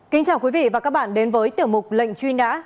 kính chào quý vị và các bạn đến với tiểu mục lệnh truy nã